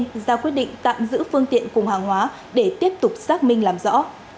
hành giao quyết định tạm giữ phương tiện cùng hàng hóa để tiếp tục xác minh làm rõ